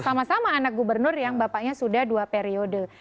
sama sama anak gubernur yang bapaknya sudah dua periode